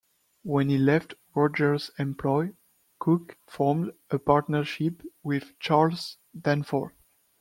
When he left Rogers' employ, Cooke formed a partnership with Charles Danforth.